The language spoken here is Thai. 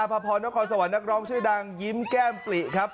พระพรนครสวรรค์นักร้องชื่อดังยิ้มแก้มปลิครับ